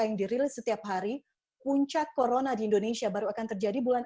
yang dirilis setiap hari puncak corona di indonesia baru akan terjadi bulan